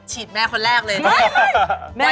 ฉีดแม่คนแรกเลย